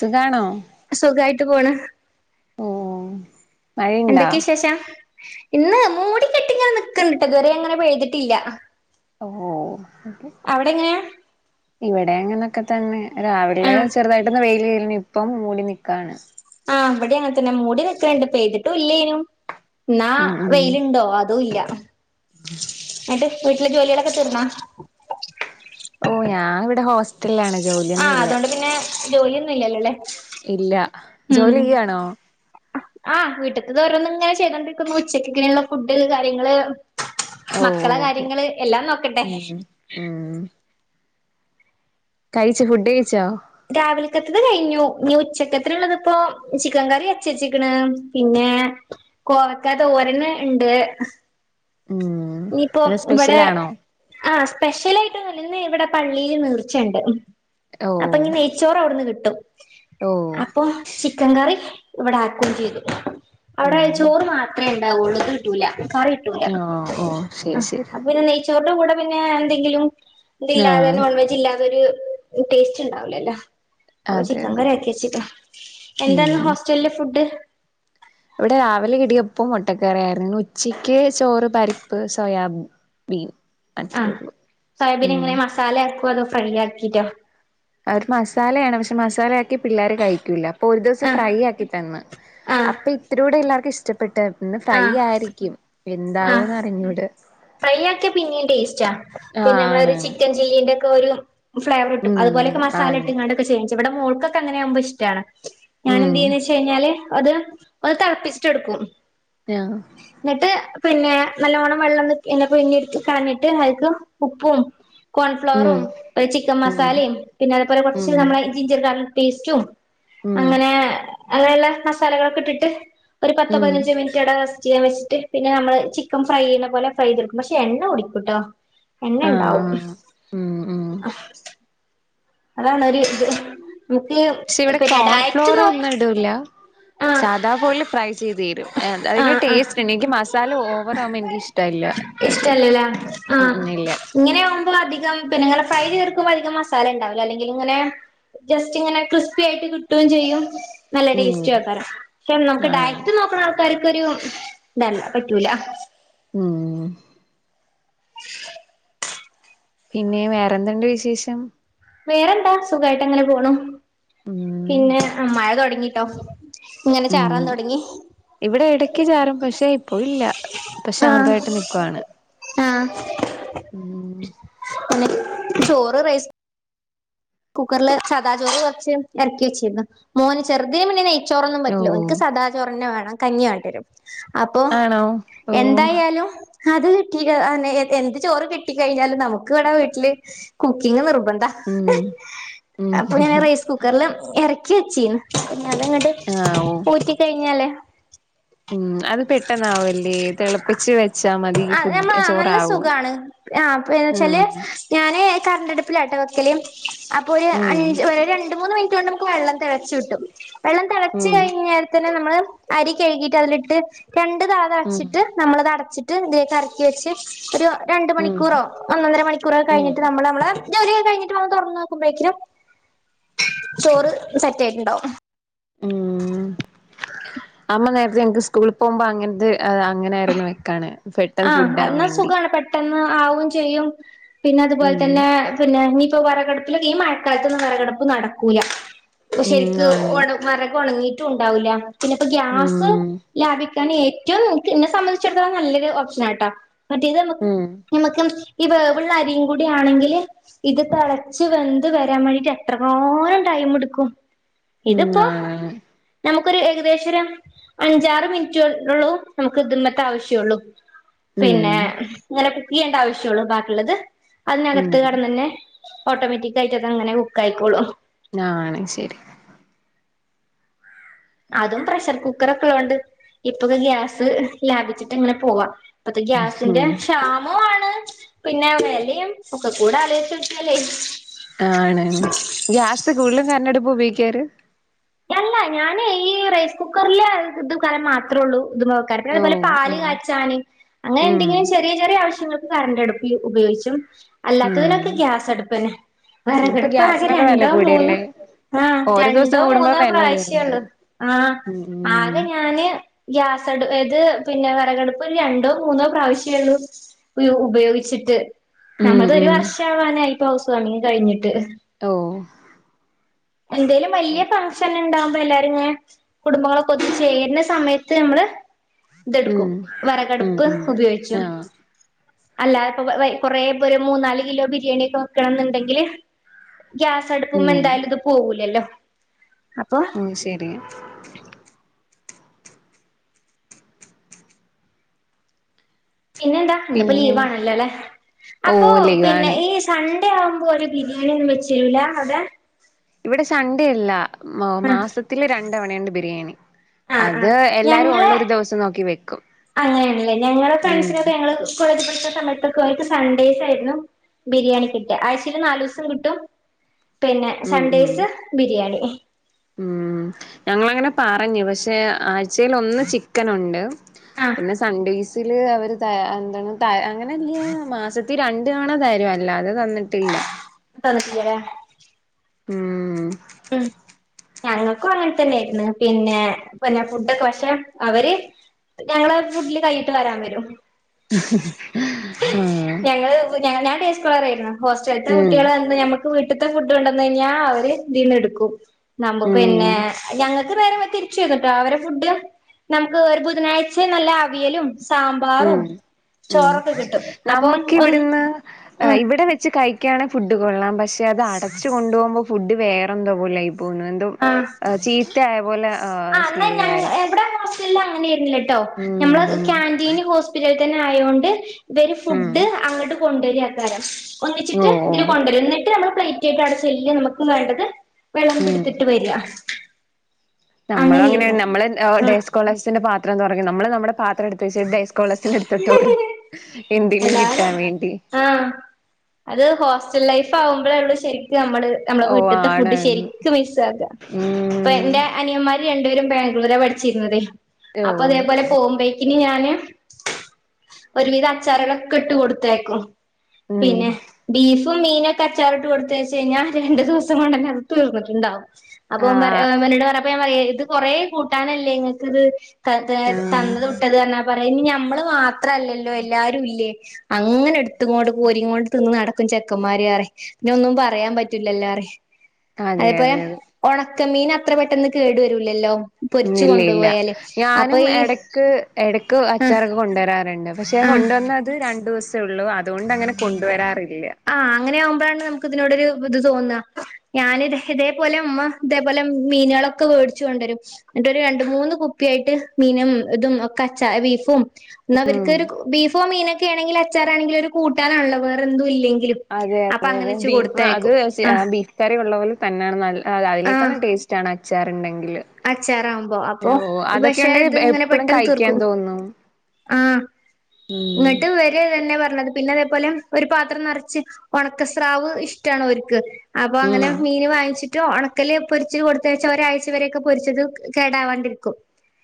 സുകാണോ സുഖായിട്ട് പോണ് ഓ മഴയുണ്ടാ എന്തൊക്കെ ശേഷം ഇന്ന് മൂടി കെട്ടി ഇങ്ങനെ നിക്കുന്നുട്ടോ ഇതുവരെ അങ്ങനെ പെയ്തിട്ടില്ല ഓ അവിടെ എങ്ങനെയാ ഇവിടെ അങ്ങനൊക്കെ തന്നെ രാവിലെ ആഹ് ചെറുതായിട്ടന്ന് വെയില് ന്നെ ഇപ്പം മൂടി കാണ ആ ഇവിടെ അങ്ങനെ തന്നെ മൂടി നിക്കണ്ട് പെയ്തിട്ടും ഇല്ലേനും എന്നാ ഉം വെയിലുണ്ടോ അതും ഇല്ല ഉം ട്ട് വീട്ടിലെ ജോലികളൊക്കെ തീർന്നാ ഓ ഞാൻ ഇവിടെ ഹോസ്റ്റലില ആണ് ജോലിയൊന്നും ഇല്ല ജോലി ഇല്ല ജോലി ചെയ്യാണോ ആ വീട്ട്ത്ത തോരോന്ന ഇങ്ങനെ ചെയ്തോണ്ടിരിക്കുന്നു ഉച്ചക്ക ഇങ്ങനെയുള്ള ഫുഡ് കാര്യങ്ങള് ഓ മക്കളെ ഓക്കെ കാര്യങ്ങള് എല്ലാം നോക്കണ്ടെ ഉം കഴിച്ച ഫുഡ് കഴിച്ചോ രാവിലക്കത്തത് കഴിഞ്ഞു നീ ഉച്ചക്കത്തള്ളതിപ്പോ ചിക്കൻ കറി വച്ചച്ചിക്കണ് പിന്നെ കോവക്ക തോരന് ഉണ്ട് ഉം ഇനിയിപ്പോ ഇന്ന് ഇവിടെ സ്പെഷ്യലാണോ ആ സ്പെഷ്യല ന്ന് ഇവിടെ പള്ളിൽ നീർച്ചണ്ട് ഓ അപ്പൊ ഇഞ്ഞി നെയ്ച്ചോറ് അവിടുന്ന് കിട്ടും ഓ അപ്പൊ ചിക്കൻ കറി ഇവിടെ ആക്കുകയും ചെയ്തു അവിടെ ഉം ചോറ് മാത്രേ ഒളതുത്തിട്ടൂല കറിയിട്ടൂല്ല ഓ ഓ ശരി ശരി ടെ കൂടെ പിന്നെ എന്തെങ്കിലും ആ ഇതില്ലാതെ നോൺവെജ് ഇല്ലാതൊരു ടേസ്റ്റ് ഉണ്ടാവലല്ലോ അപ്പൊ അതെ ചിക്കൻ അതെ കറിയാക്കി വച്ചിട്ടുണ്ട് എന്താണ് ഉം ഹോസ്റ്റലിലെ ഫുഡ് ഇവിടെ രാവിലെ ഇടിയപ്പോ മുട്ടക്കറി ആയിരുന്നു ഉച്ചയ്ക്ക് ചോറ് പരിപ്പ് സോയാബ ബീൻ ആ സോയാബീൻ എങ്ങനെ മസാല ആക്കുവ അതോ ഫ്രൈ ആക്കും വിറ്റ അവര് മസാലയാണ് പക്ഷെ മസാലയാക്കി പിള്ളേര് കഴിക്കൂല്ല അപ്പൊ ഒരു ദിവസം ആഹ് ഫ്രൈ ആക്കി തന്ന് ആഹ് അപ്പൊ ഇത്രൂടെ എല്ലാവർക്കും ഇഷ്ടം ട്ട് പിന്ന് ഫ്രൈ ആഹ് ആയിരിക്കും ആഹ് എന്താവൂന്ന് അറിഞ്ഞൂട ഫ്രൈ ആക്കിയ പിന്നെയും ടേസ്റ്റാ ആഹ് പിന്നെ നമ്മള ഒരു ആണാണ് ചിക്കൻ ചില്ലീന്റെ കോരും ഫ്ളേവർ ഇട്ടും ഉം അതുപോലൊക്കെ മസാല ആണ് ഇട്ട്ങ്ങാണ്ടൊക്കെ ചെയ് ഇവിടെ മോൾക്കൊക്കെ അങ്ങനെയാവുമ്പൊ ഇഷ്ടാണ് ഉം ഞാനെന്തിയ്യുന്ന് വെച്ച് കഴിഞ്ഞാല് അത് ഒന്ന് തളപ്പിച്ചിട്ട് എടുക്കും ആഹ് ഇന്ന്ട്ട് പിന്നെ നല്ലോണം വെള്ളം നി എന്നെ പിഴിഞ്ഞിട്ത്ത് കളഞ്ഞിട്ട് അയ്ക്ക് ഉപ്പും ഉം കോൺഫ്ലോറും പ്പ ചിക്കൻ ഉം മസാലിം പിന്നെ അതുപോലെ കൊറച്ച് ഉം നമ്മള ജിഞ്ചർ ഗാർലിക് പേസ്റ്റും ഉം അങ്ങനെ അതെല്ലാ മസാലകളൊക്കെ ഇട്ടിട്ട് ഒരു പത്തോ ഉം പതിനഞ്ചോ മിനിറ്റടേസ് റ്റിയാൻ വെച്ചിട്ട് പിന്നെ നമ്മള് ചിക്കൻ ഫ്രൈ ചെയ്യ്ണ പോലെ ഫ്രൈത്ടുക്കും പക്ഷെ എണ്ണ കുടിക്കൂട്ടോ എണ്ണ ആഹ് ഇണ്ടാവും ആഹ് ഉം ഉം അതാണൊരു ഇത് നമുക്ക് പക്ഷെ ഇവിടെ പിന്നെ ഡയറ്റ് കോൺഫ്ലോറ് നോക്ക ഒന്നും ഇടൂല ആഹ് സാദാ പോലെ ഫ്രൈ ചെയ്തേരും അതിനൊരു ആഹ് ആഹ് ടേസ്റ്റ് ഇണ്ട് എനിക്ക് മസാല ഓവറ ആവുമ്പോ എനിക്ക് ഇഷ്ടൊല്ല്യ അത്രിം ഇഷ്ടല്ലല്ലേ ഉം ഇല്ല്യ നിങ്ങള് ഫ്രൈ ചെയ്ത്ട്ക്കുമ്പോ അധികം മസാല ഉണ്ടാവൂല അല്ലെങ്കി ഇങ്ങനെ ജസ്റ്റ് ഇങ്ങനെ ക്രിസ്പി ആയിട്ട് കിട്ടും ചെയ്യും നല്ല ഉം ടേസ് കാരം ക്ഷേ നമുക്ക് ആണ് ഡയറ്റ് നോക്കണ ആൾക്കാര് കൊരു ഇതല്ല പറ്റൂല ഉം പിന്നെ വേറെന്തണ്ട് വിശേഷം വേറെന്താ സുഖായിട്ട് അങ്ങനെ പോണു ഉം പിന്നെ ആ മഴ തൊടങ്ങി [unintelligible] ഉം ഇവിടെ എടക്ക് ചാറും പക്ഷെ ഇപ്പൊ ഇല്ല ഇപ്പ ശാന്തവായിട്ട് നിക്കുവാണ് ആ മ് പിന്നെ ചോറ് റൈസ് കുക്കർല് സാതാ ചോറ് കൊർച്ച് എർക്കി വെച്ചീന്നു മോന് ചെർതിന് പിന്നെ നെയ് ചോറൊന്നും ഓ പറ്റില ഓ ഓൽക്ക് സദാ ചോറെന്നെ വേണം. കഞ്ഞിയാണ്ടരും അപ്പൊ ആണോ ഓ എന്തായാലും അത് കിട്ടീട്ട് അ പിന്നെ എന്ത് ചോറ് കിട്ടി കഴിഞ്ഞാലും നമുക്ക് ഇവടെ വീട്ടില് കുക്കിംഗ് നിർ [unintelligible] ഉം ഉം അപ്പൊ ഞാൻ റൈസ് കുക്കറില് എറ [unintelligible] അതങ്ങട്ട് ആഹ് ഊറ്റി കഴിഞ്ഞാലെ മ്മ് അത് പെട്ടെന്നാവല്ലേ തിളപ്പിച്ച് വെച്ചാ മതി ആഹ് നമ്മൾ ഫുഡ് ആ നല്ല ചോറാവും സുഖാണ് ആ പിന്നെ ഉം വെച്ചാല് ഞാന് കണ്ടാ അടുപ്പിലാട്ട വെക്കല് അപ്പൊ ഒര് ഉം അഞ്ച് ഒര് രണ്ട് മൂന്ന് മിനിറ്റോണ്ട് വെള്ളം തെളച്ച് കിട്ടും വെള്ളം തെളച്ച് ഉം കഴിഞ്ഞാ [unintelligible] നമ്മള് അരി കഴികീട്ട് അതിലിട്ട് രണ്ട് തള ഉം തളച്ചിട്ട് നമ്മളത് അടച്ചിട്ട് ഇതിലേകറക്കി വെച്ച് ഒരു രണ്ട് ഉം മണിക്കൂറോ ഒന്നൊന്നര മണിക്കൂറോക്കെ ഉം കഴിഞ്ട്ട് നമ്മള് നമ്മള് ജോലിയൊകെ കഴിഞ്ട്ട് വന്ന് തൊറന്നു നോക്കുമ്പോഴേക്ക്നും ചോറ് സെറ്റ് ആയിട്ട്ണ്ടാവും മ്മ് അമ്മ നേരത്തെ എനിക്ക് സ്കൂളിൽ പോകുമ്പോ അങ്ങൻത്ത് അങ്ങനെ ആയിരുന്നു വെക്കാണ് ആ പെട്ടെന്ന് ഫുഡ് ആവാൻ അന്നാ വേണ്ടി സുഖാണ് പെട്ടെന്ന് ആവും ചെയ്യും പിന്നെ അതുപോലെ ഉം തന്നെ പിന്നെ വെറകടുപ്പില് ഈ മഴ കാലത്തൊന്നും വെറകടുപ്പ് നടക്കൂല ഉം ശരിക്ക് ആണ് വെറക് ഒണങ്ങിട്ടുംണ്ടാവൂല്ല പിന്നെപ്പ ഗ്യാസ് ഉം ലാഭിക ഏറ്റവും ഇന്നെ സംഭന്തിചെട്ത്തോളം നല്ലൊരു നാട്ട മറ്റേത് ഉം [unintelligible] ഈ വേവ്ള്ള അരിം കൂടിയാണെങ്കില് ഇത് തെളച്ച് വെന്ത് വരാൻ വെണ്ടീട്ട് എത്രറങ്ങാനും ടൈമെട്ക്കും ഉം ഇത്പ്പോ ആണ് ക്കൊരു ഏകദേശം ഒരു അഞ്ചാറ് മിനിറ്റേ ഒള്ളു നമുക്ക് ഇത്മ്മത്തെ ആവശ്യം ഒള്ളു പിന്നെ ഉം ഇങ്ങനേ ഈ രണ്ട് ആവശ്യേള്ളു ബാക്കിള്ളത് ഉം അതിനകത്ത് കടന്നനേ ഓട്ടോമേറ്റിക് ആയിട്ട് അത് അങ്ങനെ ഹുക്ക് ആയിക്കോളും ആണ്‌ ശരി അതും പ്രഷർ കുക്കർ ഒക്കെ ള്ളോണ്ട് ഇപ്പൊക്കെ ഗ്യാസ് ലാഭിച്ചിട്ട് ഇങ്ങനെ പോവാ ഇപ്പത്തെ ഗ്യാസിന്റെ ഉം ക്ഷാമും ആണ്‌ ണ് പിന്നെ വെലയും ഒക്കെ കൂടെ ആലോചിച്ച് നോക്കിയാലെ ആണ് ഗ്യാസ് കൂടുതലും കരണ്ടടുപ്പ് ഉപയോഗി ക്കാറ് അല്ല ഞാന് ഈ റൈസ് കുക്കറിലെ ഇത് കലം മാത്രേ ഉള്ളൂ ത് മ വെക്ക ഓ അതുപോലെ ഓ പാല് കാച്ചാന് അങ്ങനെ ഉം എന്തെങ്കിലും ചെറിയ ചെറിയ ആവശ്യങ്ങൾ കരണ്ടടുപ്പ് ഉപയോഗിച്ചും ഉം അല്ലാത്തതിനൊക്കെ ഗ്യാസടുപ്പെന്നെ അപ്പൊ വിറകടുപ്പ് ആകെ ഗ്യാസിനൊക്കെ വില രണ്ടോ മൂന്നോ കൂടിയല്ലേ ആഹ് ഓരോ രണ്ടോ ദിവസം കൂടുമ്പോ മൂന്ന് വില പ്രാവിശ്യേ കൂടുന്നു ഉള്ളൂ ആഹ് ഉം ഉം ആകെ ഞാന് ഗ്യാസ് [unintelligible] എത് പിന്നെ വിറകടുപ്പ് ഒരു രണ്ടോ മൂന്നോ പ്രാവശ്യേ ഇള്ളൂ ഉപയോഗിച്ചിട്ട് ഉം നമ്മളത് ഒരു ഉം വർഷം ആവാനായിപ്പോ ഹൗസ്‌ സ്‌ വാണിങ്ങ് കഴിഞ്ഞിട്ട് ഓ എന്തേലും വലിയ ശരി ഫങ്ങ് ഇണ്ടാവമ്പം എല്ലാരുങ്ങനെ കുടുംബങ്ങളൊക്കെ ഒത്ത് ചേര്ണ സമയത്ത് ഞമ്മള് ഇതെടുക്കും ഉം ഉം വെറകടുപ്പ് ഉം ഉപയോഗിച്ചും ആഹ് അല്ല ഇപ്പൊ വയ് കൊറേ ഇപ്പൊരു മൂന്നാല് കിലോ ബിരിയാണി ഒക്കെ വെക്കണംന്ന്ണ്ടെങ്കില് ഗ്യാസ്‌ അടുപ്പുമ്മ എന്തായാലും ഇത് പോകൂലല്ലോ അപ്പൊ ഓ ശരി പിന്നെ എന്താ ഇന്നിപ്പോ പിന്നെ ലീവ് ആണല്ലോല്ലെ ഓ അപ്പൊ പിന്നെ ലീവാണ് ഈ സൺ [unintelligible] ആവുമ്പോ ഒരു ബിരിയാണി ഒന്നും വെച്ചെരൂല അടെ ഇവിടെ സൺ‌ഡേ ഇല്ല മൗ മാസത്തിലെ രണ്ട് ണ്ട് തവണണ്ട് ബിരിയാണി ആ ആഹ് അത് എല്ലാരും ഞങ്ങളെ ഉള്ളൊരു ദിവസം നോക്കി വെക്കും അങ്ങനെല്ല ഞങ്ങള് ഉം ഫ്രണ്ട്സിനൊക്കെ ഞങ്ങള് കോളേജ് [unintelligible] സമയത്തൊക്കെ ഓര്ക്ക്‌ സൺഡേയ്സ് ആയിരുന്നു ബിരിയാണി കിട്ടാ ആഴ്ചേല് നാലുസം കിട്ടും പിന്നെ ഉം ഉം സൺഡേയ്സ് ബിരിയാണി ഉം ഞങ്ങളങ്ങനെ പറഞ്ഞു പഷേ ആഴ്ചയിൽ ഒന്ന് ചിക്കനുണ്ട് ആഹ് പിന്നെ സൺഡേയ്സില് അവര് ത എന്താണ് ത അങ്ങനെല്ല മാസത്തി രണ്ട് വണ തരുഅല്ലെ അത് തന്നിട്ടില്ല തന്നിട്ടില്ലല്ലേ ഉം ഉം ഞങ്ങക്കു അങ്ങൻ തന്നെയിര്ന്നു പിന്നെ പിന്നെ ഫുഡൊക്കെ പക്ഷെ അവര് ഞങ്ങളെ ഫുഡില് കയ്യിട്ട് വാരാൻ വരും ആഹ് [unintelligible] ഹോസ്റ്റൽത്തെ ഉം കുട്ടിയാള് റിമ്പം നമ്മക്ക് വി ഇട്‌ത്തെ ഫുഡ്‌ണ്ടൊന്നയ്ഞ്ഞാ അവര്. തിന്ന് ഇട്ക്കും [unintelligible] ഉം പിന്നെ ഞങ്ങക്ക് നേരെ വ തിരിച്ചന്ന്ട്ടോ അവരെ ഫുഡ് നമുക്ക് ഒരു ബുധനാഴ്ച നല്ല അവിയലും സാമ്പാറും ഉം ഉം ചോറൊക്കെ കിട്ടും അപ്പം നമ്മക്ക് ഒന്ന് ഇവിട്ന്ന് ഉം ഇവിടെ വെച്ച് കഴി ക്കാണേ ഫുഡ് കൊള്ളാം. പ ക്ഷേ അത് അടച്ച് കൊണ്ടോമ്പൊ ഫുഡ് വേറെന്തോ പോലെയ് ആഹ് [unintelligible] ചീത്തായ പോലെ ആ ന്നാ സ്മെല്ല് ഞങ്ങ വരും എവിടെണ്ടാവും? എല്ലാ അങ്ങെനെ ആയിര്ന്നില്ല. ട്ടോ നമ്മളെ ഉം കാന്റീന് ഹോസ്പിറ്റല തന്നെ ആയോണ്ട് ഇവര് ഉം ഫുഡ് അങ്ങട്ട് കൊണ്ടരാ തരം. ഓ ഒന്നിച്ചിട്ട് ഓ ഇതില് കൊണ്ടരും. ന്നിട്ട് അമ്മൾ പ്ലേറ്റ് ആയിട്ട് അവ്ടെ ചെല്ലാ നമ്മക്ക് വേണ്ടത് വിളമ്പിട്ത്തിട്ട് വരാ. നമ്മളങ്ങനെ നമ്മള് ഏഹ് ആ ഡേ സ്കോളെഴ്‌സ്ന്റെ പാ ത്രം തൊറെക്കും നമ്മൾ നമ്മടെ പാത്ര എടുത്തുവെച്ച് ഡേസ് കോളേഴ്‌സ്ന്റെ അടുത്തോട്ട് ഓടും, എല്ലാരും ആഹ് അത് ഹോസ്റ്റൽ ലൈ പ്പാവുമ്പളേള്ളു ശരി [unintelligible] നമ്മള് നമ്മളെ ഓ വീട്ട്ത്തെ ആണ് ഫുഡ്‌ ശെരിക്ക് മിസ്സ്‌ ആക. ഇപ്പ ഉം എന്റെ അനിയന്മാര് രണ്ടുപേരും ബാംഗ്ലൂരാ പഠിച്ചിരുന്നതേ. ഓ അപ്പൊ അതേപോലെ പോകുമ്പേക്ക് ഇനി ഞാന് ഒരുവിധ ചരളൊക്കെ ഇട്ട് കൊടുത്തയക്കോ ഉം പിന്നെ ബീഫ് ഇപ്പ മീനൊക്ക അച്ചാറിട്ട് കൊടുത്തുയച്ച് കഴിഞ്ഞാ രണ്ട് ദിവസം കൊണ്ട് അത് തീർന്നിട്ടുണ്ടാവും അപ്പൊ ഓൻ പറയ ആഹ് വല്ല്യതാണ് ഞാൻ പറയേ ഇത് കൊറ കൂട്ടാനല്ലേ ങ്ങക്കിത് ത തേ ആഹ് തന്നത് വിട്ടത് തന്നേ പറയ് ഇഞ്ഞി ഞമ്മള് മാത്രല്ലല്ലോ അയി എല്ലാരും ഇല്ലേ അങ്ങനെ എടുത്ത് കോട് കോരിങ്ങോണ്ട് തിന്ന് നടക്കും ചെക്കന്മാര് അറിം ഇഞ്ഞ് ഒന്നും പറയാൻ പറ്റൂല്ലല്ലോ അറിം അതെ അതെ അയപ്പോയ അതെ ഓട ക മീന അത്ര പെട്ടെന്ന് കേടു വരൂലല്ലോ ഉ പൊരിച്ചു ഇല്ല ഇല്ല കൊണ്ടുപോയാല് അപ്പൊ ഞാനും ഈ എടക്ക് എട ക്ക്‌ ആഹ് അച്ചാറൊക്ക കൊണ്ടുവരാറുണ്ട് പക്ഷെ ആഹ് കൊണ്ടുവന്നത് രണ്ടൂസം ഒള്ളൂ അതോണ്ട അങ്ങനെ കൊണ്ടുവരാറി ആ അങ്ങനെ ആവുമ്പോഴാണ് നമുക്ക് ഇതിനോടൊരു ഇത് തോന്ന ഞൻ ഇത് ഇതേപോലെ ഉമ്മ ഇതേപോലെ മീനളൊക്കെ വേടിച്ചു കൊണ്ടരും എന്നിട്ടരു രണ്ട് മൂന്ന് കുപ്പിയായിട്ട് മീനും ഇതും ഒക്ക അച്ച ബീഫും ന്ന അവര് ഉം കേര് ബീഫോ മീനൊ കേണെങ്കിലച്ചാറാണങ്കിലും ഒരു കൂട്ടാനാണല്ലോ വേറെ എന്തും ഇല്ല അതെ അതെ അതെ ബീഫ് അത് സി ആഹ് ബീഫ് കറി ഉള്ള പോലെ തന്നെയാണ് നല്ല അ ആഹ് അതിനേകാളും ടേസ്റ്റ് ആണ് ആ അച്ചാറ്ണ്ടെങ്കി അച്ചാറാവുമ്പോ അപ്പൊ അതൊക്കെ പക്ഷെ ഇത് ഉണ്ടെങ്കിൽ ഇങ്ങനെ എപ്പഴും പെട്ടന്ന് കഴിക്കാൻ തീർക്കും തോന്നും ആ ഉം ഇങ്ങട്ട് വര തന്നെ പറഞ്ഞത് പിന്നതേ പോലെ ഒരു പാത്രം നറച്ച് ഒണക്കസ്രാവ് ഇഷ്ടാണ് ഓര്ക്ക് അപ്പൊ അങ്ങനെ ഉം മീന് വാങ്ങിച്ചിട്ട് ഉണക്കല് പൊരിച്ച് കൊടുത്തയച്ച ഒരാഴ്ച വരേക്കെ പൊരിച്ചത് കേടാവാണ്ടിരിക്കും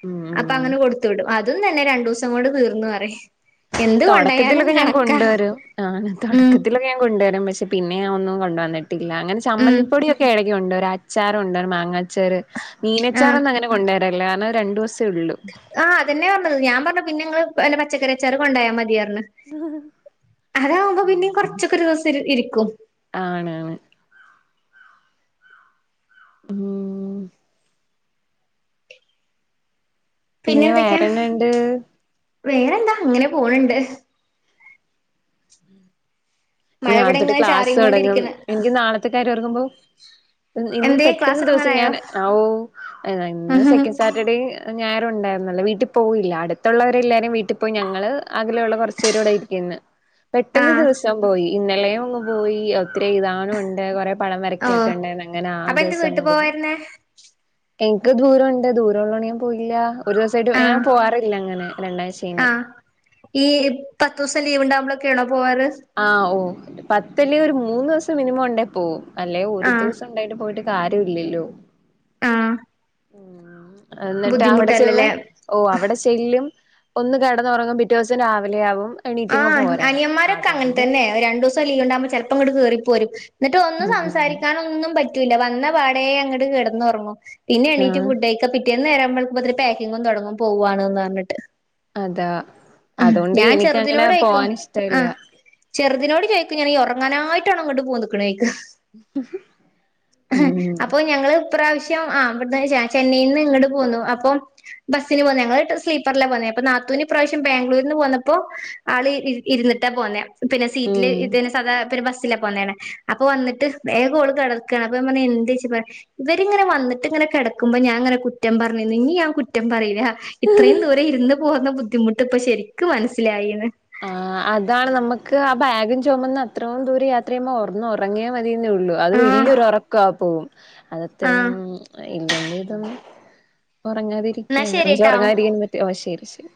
ഉം അപ്പ ഉം അങ്ങനെ കൊടുത്തു വിടും ആ അതും നല്ല രണ്ടൂസം കൊണ്ട് തീർന്നു അ റിം തൊടക്കത്തിലൊക്ക ഞാൻ കൊണ്ടുവരും ഞാനും ഉം തൊടക്കത്തിലൊക്കെ ഞാൻ കൊണ്ടുവരും പക്ഷെ പിന്നെഞാൻ ഒന്നും കൊണ്ടുവന്നി ട്ടില്ല അങ്ങന ഉം ചമ്മന്തിപ്പൊടിയൊക്കെ എള നീ ഉണ്ട് ഒരു അച്ചാറുണ്ട് ഒരു മാങ്ങച്ചാറ് ആഹ് മീനച്ചാറൊന്നും അങ്ങനെ കൊണ്ടാ--ര കല്ല്യാണ രണ്ടൂസ ആഹ് അതെന്നെ പറഞത് ഞാൻ പറ പിന്നെങ്ങള് പച്ചക്കറിച്ചാർകൊണ്ടോയാ മതിയർ അതാവുമ്പോ പിന്നെ കൊറച്ചൊക്കെ ദിവസം ഇ ഇരിക്കും ആണാണ് ഉം പിന്നെ വേറെന്നാ ണ്ട് വേറെന്താ അങ്ങനെ പോണ് ണ്ട് മഴ ഇവിടെ നാളത്തോട്ട് ഇങ്ങനെ ക്ലാസ്സ് ചാറിയും തുടങ്ങും കൊണ്ടിരിക്ക്ണ് എനിക്ക് നാളത്തെ കാര്യം ഓർക്കുമ്പോ ഇന്ന് എന്തേ ക്ലാസ് പെട്ടന്ന് ദിവസം തുടങ്ങാനായോ ഞാൻ ഓ ഇന്ന് സെക്കൻഡ് സാറ്റർഡേ ഞായറും ഉണ്ടായിരുന്നല്ലോ വീട്ടി പോയില്ല അടുത്തുള്ളവരെ എല്ലാരും വീട്ടിൽ പോയി ഞങ്ങള് അകലെയുള്ള കൊറച്ച് പേര് ഇവിടെ ഇരിക്ക്ന്ന് പെട്ടെന്ന് ആഹ് ദിവസം പോയി ഇന്നലെയും അങ്ങ് പോയി ഒത്തിരി എഴ്താനുംണ്ട് കൊറേ പടം ഓ വരക്കാക്കണ്ടെന്ന് അങ്ങനെ ആ അപ്പൊ എന്ത് വീട്ടു ദിവസങ്ങ് പോയി പോവായിരുന്നേ എനിക്ക് ദൂരൊണ്ട് ദൂരം ഉള്ളൊണ്ട് ഞൻ പോയില്ല ഒരു ദിവസായിട്ട് ഞാൻ ആഹ് പോവാറില്ല അങ്ങനെ രണ്ടാശനി ആഹ് ഈ പത്ത് ദിവസം ലീവ് ണ്ടാവുമ്പൊളൊക്കെയാണോ ആഹ് ഓ പ ത്തില് ഒരു മൂന്ന്സം മിനിമം ഉണ്ടേ പോവും അല്ലേ ഒരു ആഹ് ദിവസം ഉണ്ടായിട്ട് പോയിട്ട് ക കരുല്ലല്ലോ ആഹ് എന്നിട്ട് അവിടെ ചെന്ന് ബുദ്ധിമുട്ടല്ലല്ലേ ഓ അവിടെ ചെല്ലും ഒന്ന് കെടന്നുറങ്ങും പിറ്റോസം രാവിലെയാവും ആഹ് അനിയമ്മാരൊ അങ്ങനെ തന്നെ ഒരു രണ്ടൂസം ലീവ്ണ്ടാവുമ്പോ ചെൽപ്പോ ങ്ങട് കേറിപ്പോരും എന്നിട്ട് ഒന്നും ഉം സംസാരിക്കാനൊന്നും പ പറ്റൂല്ല വന്ന പാടയെ അങ്ങോട്ട് കിടന്നൊറങ്ങും പിന്നെണീറ്റ് ആഹ് ഫുഡക്ക പിറ്റേന്ന് നേര വെളുക്കുമ്പോത്തിനും പാക്കിങ്ങും തൊടങ്ങും പോവാണ്ന്ന് പറഞ്ഞിട്ട് അത ഉം ഞാൻ ചെറുതിനോട് ചോയിക്കും ആ ഇഷ്ടല്ല ചെറുതിനോട് ചോയിക്കും ഞാൻ ഈ ഉറങ്ങാനായി ട്ടാണോ ഇങ്ങട്ട് പോന്ന്ക്ക്ണേ ചോ ഉം അപ്പൊ ഞങ്ങള് ഈപ്രാവശ്യം ആഹ് ഇവിട്ന്ന് ചെന്നൈയിന്ന് ഇങ്ങട് പോന്നു അപ്പം ബസിന് പോന്നു ഞങ്ങള് സ്ലീപ്പറിലാ പോന്നെ അപ്പോ നാത്തൂനിപ്രാവ ബാംഗ്ലൂരിൽ നിന്ന് പോന്നപ്പോ ആള് ഇരുന്നിട്ടാ പോന്നേ പിന്നെ സീറ്റില് ഉം ഇതിന് സധാ പിന്നെ ബസ് പോന്നെണ് അപ്പൊ വന്നിട്ട് വേഗം ഓള് കിടക്കയാണ് അപ്പ ഞാൻ പറഞ്ഞ് എന്താെച്ച പറയാ ഇവരിങ്ങനെ വന്നിട്ട് ഇങ്ങനെ കിടക്കുമ്പോ ഞാനിങ്ങനെ കുറ്റം പറഞ്ഞിന് ഇനി ഞാൻ കുറ്റം പറയൂല ഇത്രയും ദൂരെം ഇരുന്ന് പോന്ന ബുദ്ധിമു ബുദ്ധിമുട്ടിപ്പോ ശരിക്കും മനസ്സിലായിന്ന് ആ അതാണ് നമുക്ക് ആ ബാഗും ചുമന്ന് അത്രയും ദൂരെം യാത്ര ചെയ്യുമ്പോ ഒന്നൊറങ്ങിയ മതി ന്നെള്ളു അത് ആഹ് വലിയ ഒരുറക്കമാ പോവും അതത്ര ആ ഇന്റമ്മേഇതൊന്നും എന്നാ ഉറങ്ങാതിരിക്കുകയാണ് പക്ഷെ ശരിട്ടോ ഉറങ്ങാതിരിക്കാനും പറ്റില്ല ഓഹ് ശരി ശരി